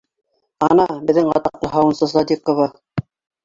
— Ана, беҙҙең атаҡлы һауынсы Садиҡова...